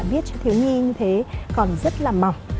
viết cho thiếu nhi như thế còn rất là mỏng